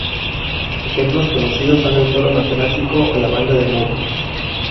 Ejemplos conocidos son el toro matemático o la banda de Möbius.